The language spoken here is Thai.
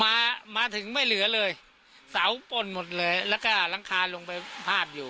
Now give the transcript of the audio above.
มาถึงไม่เหลือเลยเสาป้นหมดเลยแล้วก็หลังคาลงไปพาดอยู่